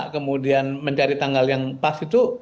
kemudian mencari tanggal yang pas itu